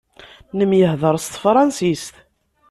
Nemyehḍaṛ s tefransist.